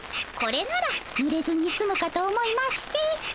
これならぬれずにすむかと思いまして。